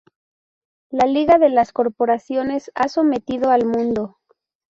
La Liga de las corporaciones ha sometido al mundo.